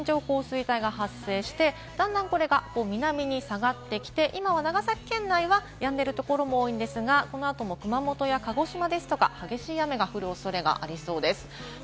ここに線状降水帯が発生して、段々、これが南に下がってきて、今は長崎県内はやんでいるところも多いんですが、この後も熊本や鹿児島ですとか、激しい雨が降る恐れがありそうです。